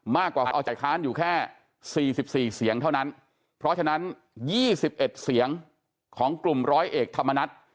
มากกว่าออกจากค้านอยู่แค่๔๔เสียงเท่านั้นเพราะฉะนั้น๒๑เสียงของกลุ่มร้อยเอกธรรมนัฐ